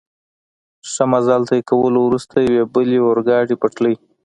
ښه مزل طی کولو وروسته، یوې بلې اورګاډي پټلۍ.